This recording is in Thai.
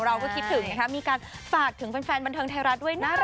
เราก็คิดถึงนะคะมีการฝากถึงแฟนบันเทิงไทยรัฐด้วยน่ารัก